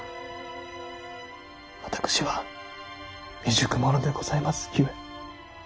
私は未熟者でございますゆえ。